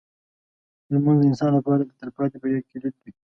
لمونځ د انسان لپاره د تلپاتې بریا کلید دی.